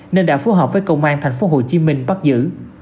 nên đã phối hợp với công an tp hcm bắt giữ